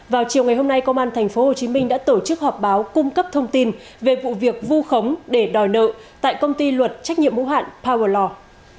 vào chiều ngày hôm nay công an tp hcm đã tổ chức họp báo cung cấp thông tin về vụ việc vu khống để đòi nợ tại công ty luật trách nhiệm hữu hạn power lò